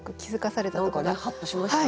何かねはっとしましたね。